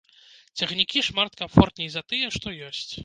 Цягнікі шмат камфортней за тыя, што ёсць.